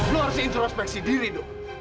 lo harusnya introspeksi diri dong